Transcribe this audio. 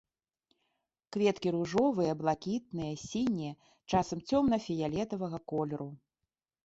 Кветкі ружовыя, блакітныя, сінія, часам цёмна-фіялетавага колеру.